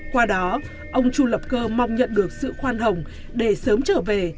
qua đó ông chu lập cơ mong nhận được sự khoan hồng để sớm trở về